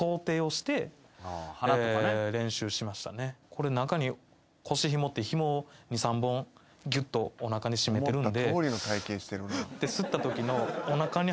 これ中に腰ひもってひもを２３本ぎゅっとおなかに締めてるんで。